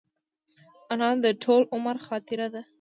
انا د ټول عمر خاطره ده